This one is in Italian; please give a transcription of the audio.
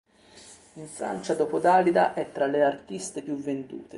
In Francia, dopo Dalida, è tra le artiste più vendute.